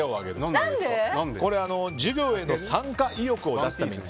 これは授業への参加意欲を出すために。